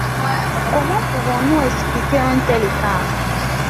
Comment pouvons-nous expliquer un tel écart?